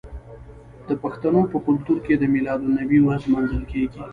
د پښتنو په کلتور کې د میلاد النبي ورځ لمانځل کیږي.